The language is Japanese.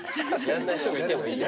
やんない人がいてもいいよ。